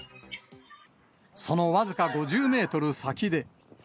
その僅か５０メートル先で。